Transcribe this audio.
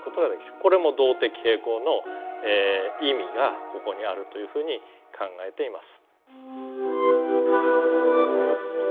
これも動的平衡の意味がここにあるというふうに考えています。